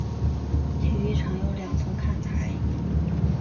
体育场有两层看台。